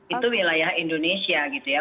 itu wilayah indonesia gitu ya